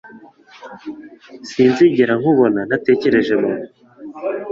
Sinzigera nkubona ntatekereje mama.